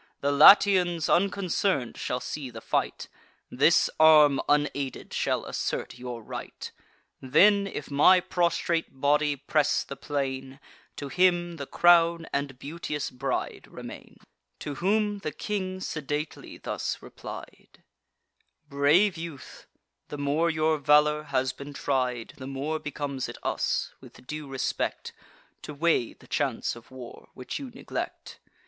The Latians unconcern'd shall see the fight; This arm unaided shall assert your right: Then, if my prostrate body press the plain, To him the crown and beauteous bride remain." To whom the king sedately thus replied: "Brave youth, the more your valour has been tried, The more becomes it us, with due respect, To weigh the chance of war, which you neglect.